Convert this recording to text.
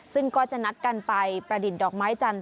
ซึ่งก็จะนัดกันไปประดิษฐ์ดอกไม้จันท